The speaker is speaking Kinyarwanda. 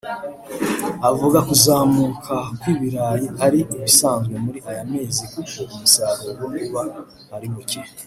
avuga kuzamuka kw’ibirayi ari ibisanzwe muri aya mezi kuko umusaruro uba ari muke